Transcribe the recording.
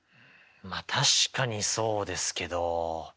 まあ確かにそうですけど。